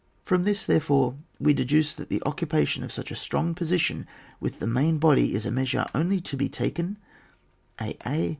From this, therefore, we deduce that the occupation of such a strong position with the main body is a measui*e only to be taken, ^ aa.